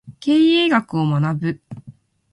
経営学を学ぶ